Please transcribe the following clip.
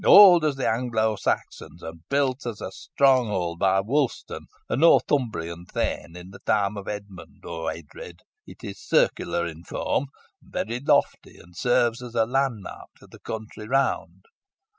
Old as the Anglo Saxons, and built as a stronghold by Wulstan, a Northumbrian thane, in the time of Edmund or Edred, it is circular in form and very lofty, and serves as a landmark to the country round.